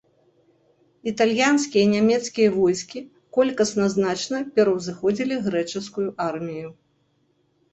Італьянскія і нямецкія войскі колькасна значна пераўзыходзілі грэчаскую армію.